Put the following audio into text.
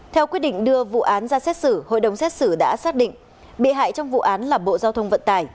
theo quyết định đưa vụ án ra xét xử hội đồng xét xử đã xác định bị hại trong vụ án là bộ giao thông vận tải